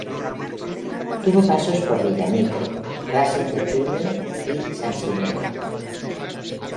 Tuvo pasos por Villa Mitre, Racing de Trelew y Sansinena.